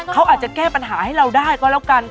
เขาอาจจะแก้ปัญหาให้เราได้ก็แล้วกัน